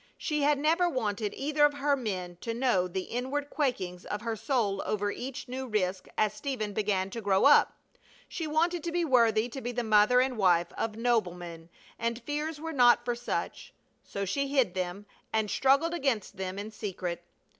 She had never wanted either of her men to know the inward quakings of her soul over each new risk as Stephen began to grow up. She wanted to be worthy to be the mother and wife of noblemen, and fears were not for such; so she hid them and struggled against them in secret.